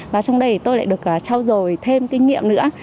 và trong đây tôi lại được trao dồi thêm kinh nghiệm nữa